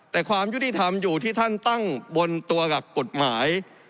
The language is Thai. แต่ความยุติธรรมอยู่ที่ท่านตั้งบนตัวกับกฎหมาย